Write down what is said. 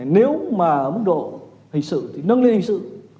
nếu mà ở mức độ hình sự thì nâng lên hình sự